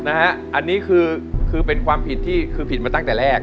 อันนี้คือเป็นความผิดที่คือผิดมาตั้งแต่แรก